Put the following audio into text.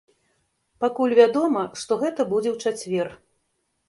Пакуль вядома, што гэта будзе ў чацвер.